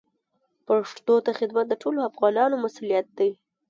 پښتو ته خدمت د ټولو افغانانو مسوولیت دی.